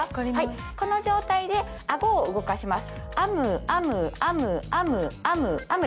この状態でアゴを動かします。